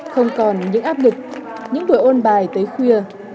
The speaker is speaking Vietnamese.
không còn những áp lực những buổi ôn bài tới khuya